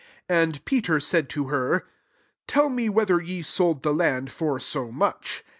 8 And Peter said to her, " Tell mc whether ye sold the land for so much.